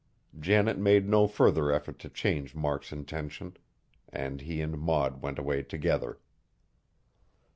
Janet made no further effort to change Mark's intention; and he and Maud went away together.